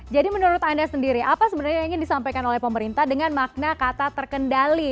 menurut anda sendiri apa sebenarnya yang ingin disampaikan oleh pemerintah dengan makna kata terkendali